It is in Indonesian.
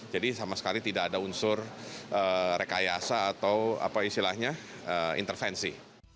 jadi sama sekali tidak ada unsur rekayasa atau intervensi